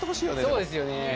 そうですよね